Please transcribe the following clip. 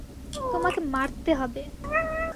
তোমাকে মারতে হবে।